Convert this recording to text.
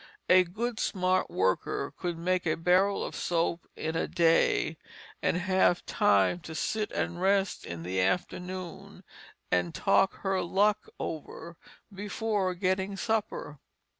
A good smart worker could make a barrel of soap in a day, and have time to sit and rest in the afternoon and talk her luck over, before getting supper.